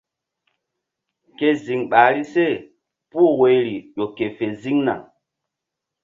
Ke ziŋ ɓahri se puh woyri ƴo ke fe ziŋna.